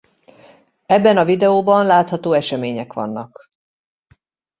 Ebben a videoban látható események vannak.